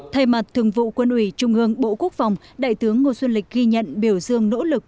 thay mặt thường vụ quân ủy trung ương bộ quốc phòng đại tướng ngô xuân lịch ghi nhận biểu dương nỗ lực